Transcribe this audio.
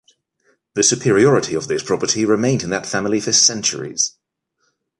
The superiority of this property remained in that family for centuries.